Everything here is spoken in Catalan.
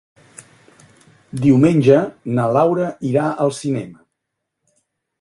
Diumenge na Laura irà al cinema.